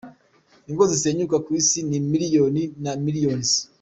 Ingo zisenyuka ku isi ni millions and millions.